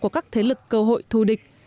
của các thế lực cơ hội thù địch